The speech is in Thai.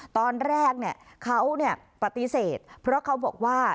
ตอนแรกเนี่ยเขาเนี่ยปฏิเสธเพราะเขาบอกว่า